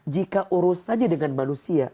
jika urus saja dengan manusia